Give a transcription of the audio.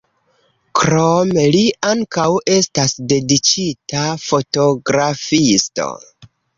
Krome li ankaŭ estas dediĉita fotografisto.